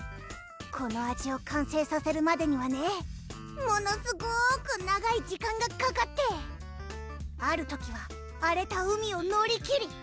この味を完成させるまでにはねものすごく長い時間がかかってある時はあれた海を乗りきり